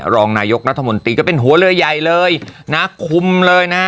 รองนายกรัฐมนตรีก็เป็นหัวเรือใหญ่เลยนะคุมเลยนะฮะ